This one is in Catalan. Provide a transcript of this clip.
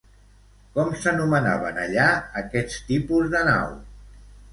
Com s'anomenaven allà aquest tipus de nau?